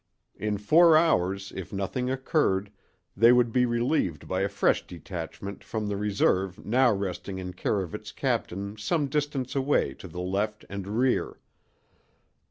In four hours, if nothing occurred, they would be relieved by a fresh detachment from the reserve now resting in care of its captain some distance away to the left and rear.